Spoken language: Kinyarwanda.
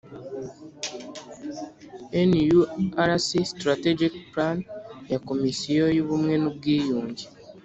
Nurc strategic plan ya komisiyo y ubumwe n ubwiyunge